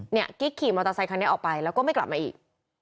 ขี่ออกมาที่มอเตอร์ไซค์ไว้แล้วก็ไม่กลับมาอีก